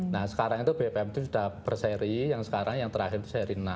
nah sekarang itu bpm itu sudah per seri yang sekarang yang terakhir itu seri enam